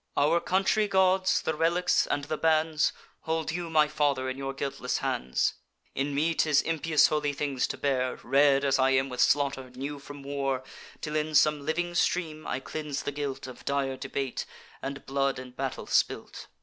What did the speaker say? Our country gods, the relics, and the bands, Hold you, my father, in your guiltless hands: In me 'tis impious holy things to bear, Red as I am with slaughter, new from war, Till in some living stream I cleanse the guilt Of dire debate, and blood in battle spilt.